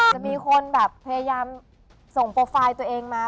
จะมีคนแบบพยายามส่งโปรไฟล์ตัวเองมา